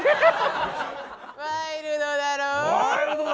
ワイルドだろぉ。